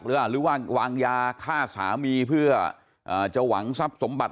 หรือว่าวางยาฆ่าสามีเพื่อจะหวังทรัพย์สมบัติ